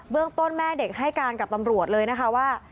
ต้นแม่เด็กให้การกับตำรวจเลยนะคะว่า